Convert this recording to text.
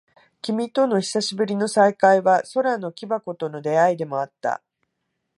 君との久しぶりの再会は、空の木箱との出会いでもあった。